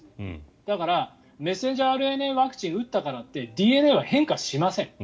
だからメッセンジャーＲＮＡワクチンを打ったからってＤＮＡは変化しません。